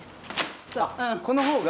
この方が。